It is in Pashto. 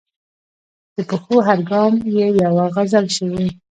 د پښو هر ګام یې یوه غزل شوې.